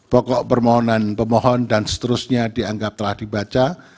pokok permohonan pemohon dan seterusnya dianggap telah dibaca